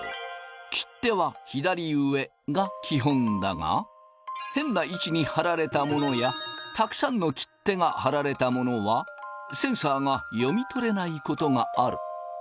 切手は左上が基本だが変な位置に貼られたものやたくさんの切手が貼られたものはセンサーが読み取れないことがある。